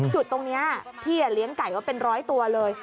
จุดตรงนี้พี่เลี้ยงไก่ไว้เป็นร้อยตัวเลย